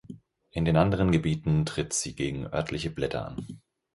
In den anderen Gebieten tritt sie gegen örtliche Blätter an.